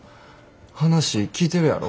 話聞いてるやろ？